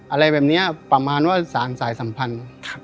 อะไรแบบนี้ประมาณว่าสารสายสัมพันธ์